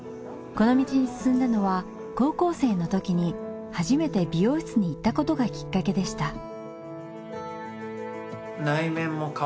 この道に進んだのは高校生のときに初めて美容室に行ったことがきっかけでした。